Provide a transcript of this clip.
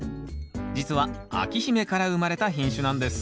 じつは章姫から生まれた品種なんです